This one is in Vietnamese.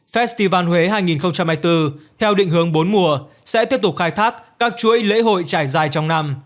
festival huế hai nghìn hai mươi bốn theo định hướng bốn mùa sẽ tiếp tục khai thác các chuỗi lễ hội trải dài trong năm